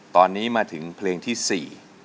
ตอนนี้มาถึงเพลงที่๔